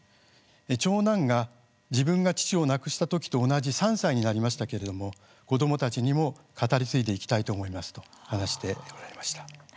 長男が、自分が父を亡くしたときと同じ３歳になりましたけれども子どもたちにも語り継いでいきたいと思いますと話しておられました。